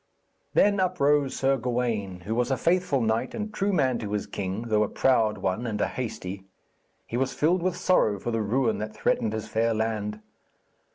Then uprose Sir Gawaine, who was a faithful knight and true man to his king, though a proud one and a hasty. He was filled with sorrow for the ruin that threatened his fair land.